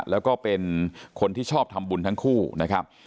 แล้วก็เป็นคนที่ชอบทำบุญทั้งคู่นะครับ